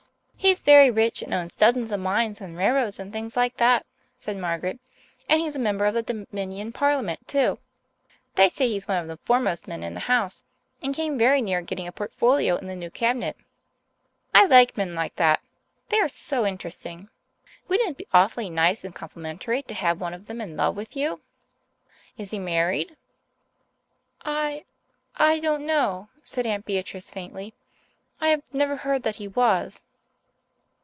"He's very rich and owns dozens of mines and railroads and things like that," said Margaret, "and he's a member of the Dominion Parliament, too. They say he's one of the foremost men in the House and came very near getting a portfolio in the new cabinet. I like men like that. They are so interesting. Wouldn't it be awfully nice and complimentary to have one of them in love with you? Is he married?" "I I don't know," said Aunt Beatrice faintly. "I have never heard that he was."